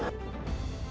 thưa quý vị